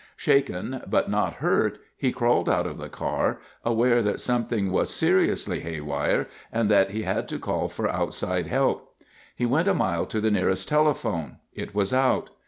Shaken, but not hurt, he crawled out of the car, aware that something was seriously haywire, and that he had to call for outside help. He went a mile to the nearest telephone. It was out.